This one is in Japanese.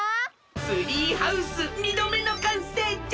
ツリーハウス２どめのかんせいじゃ！